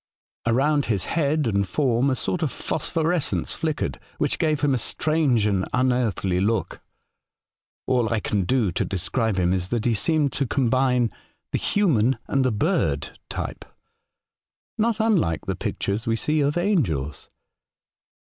Around his head and form a sorb of phosphorescence flickered, which gave him a strange and unearthly look. All I can do to describe him is that he seemed to combine the human and the bird type — not unlike the pictures we see of angels.